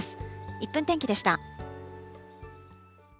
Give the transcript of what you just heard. １分天気でした。